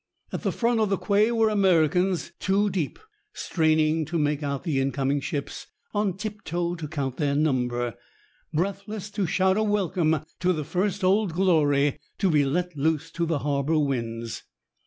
At the front of the quay were Americans two deep, straining to make out the incoming ships, on tiptoe to count their number, breathless to shout a welcome to the first "Old Glory" to be let loose to the harbor winds.